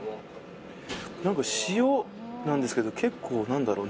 何か塩なんですけど結構何だろう